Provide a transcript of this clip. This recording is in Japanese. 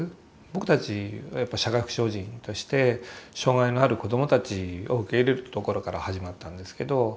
僕たちはやっぱり社会福祉法人として障害のある子どもたちを受け入れるところから始まったんですけど。